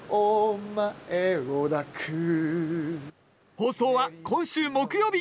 放送は今週木曜日。